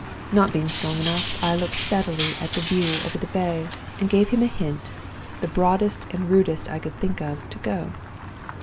Not being strong enough, I looked steadily at the view over the bay, and gave him a hint, the broadest and rudest I could think of, to go.